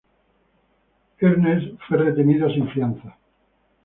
Earnest fue ordenado retenido sin fianza.